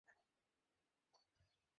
এর জন্য চরম মূল্য দিতে হবে তোকে।